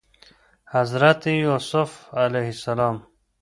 حضرت يوسف ع